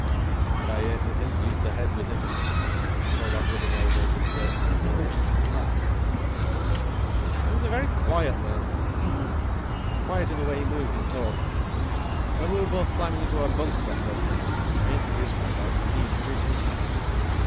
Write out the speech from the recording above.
But I ate with him, used the head with him; you can call that rubbing elbows with greatness, if you want to. He was a very quiet man. Quiet in the way he moved and talked. When we were both climbing into our bunks, that first night, I introduced myself and he introduced himself.